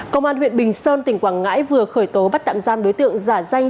công an huyện bình sơn tỉnh quảng ngãi vừa khởi tố bắt tạm giam đối tượng giả danh